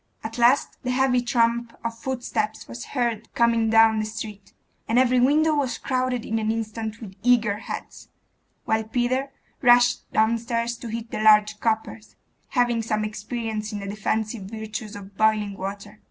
At last the heavy tramp of footsteps was heard coming down the street, and every window was crowded in an instant with eager heads; while Peter rushed downstairs to heat the large coppers, having some experience in the defensive virtues of boiling water.